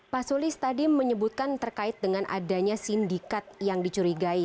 pak sulis tadi menyebutkan terkait dengan adanya sindikat yang dicurigai